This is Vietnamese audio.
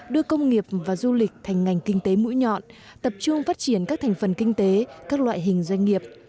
đưa công nghiệp và du lịch thành ngành kinh tế mũi nhọn tập trung phát triển các thành phần kinh tế các loại hình doanh nghiệp